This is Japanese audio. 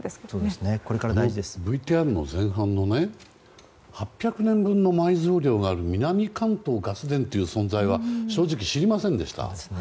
ＶＴＲの前半の８００年分の埋蔵量がある南関東ガス田という存在は知りませんでした。